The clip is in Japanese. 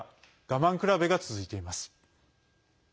我慢比べが続いています。